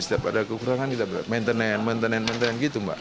setiap ada kekurangan kita maintenance maintenance maintenance gitu mbak